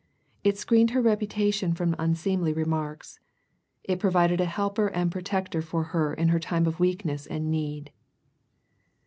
It screened her reputation from tmseemly remarks. It provided a helper and protector for her in her time of weakness and need.